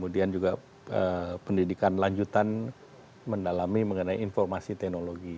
dan juga pendidikan lanjutan mendalami mengenai informasi teknologi